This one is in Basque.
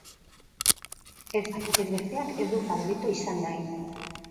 Ez batak ez besteak ez du faborito izan nahi.